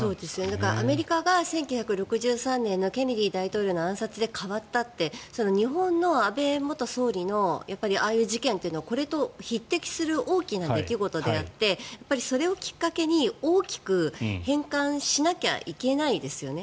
だから、アメリカが１９６３年のケネディ大統領の暗殺で変わったって日本の安倍元総理のああいう事件というのはこれと匹敵する大きな出来事であってそれをきっかけに大きく変換しなきゃいけないですよね。